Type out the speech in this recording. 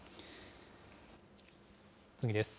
次です。